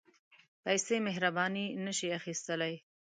پېسې مهرباني نه شي اخیستلای.